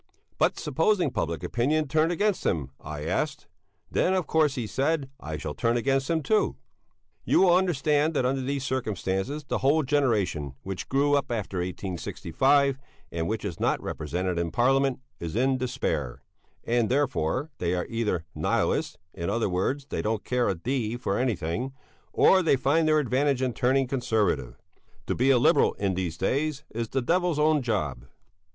"But supposing public opinion turned against him?" I asked. "Then, of course," he said, "I shall turn against him too." You will understand that under these circumstances the whole generation which grew up after 1865, and which is not represented in Parliament, is in despair; and therefore they are either Nihilists in other words, they don't care a d for anything or they find their advantage in turning Conservative. To be a Liberal in these days is the devil's own job.